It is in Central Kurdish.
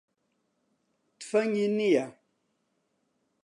تفەنگی نییە.